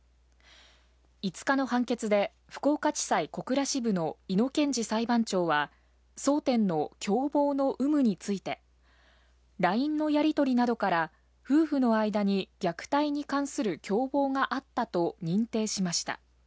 ５日の判決で、福岡地裁小倉支部の井野憲司裁判長は、争点の共謀の有無について、ＬＩＮＥのやり取りなどから、夫婦の間に虐待に関する共謀があったと認定しました。